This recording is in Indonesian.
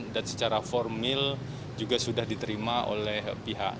dan secara formil juga sudah diterima oleh pihak